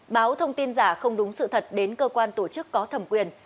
báo thông tin giả không đúng sự thật đến cơ quan tổ chức có thẩm quyền